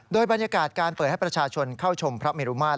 โดยบรรยากาศการเปิดให้ประชาชนเข้าชมพระเมรุมาตร